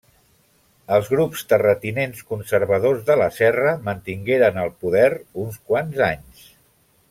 Els grups terratinents conservadors de la serra mantingueren el poder uns quants anys.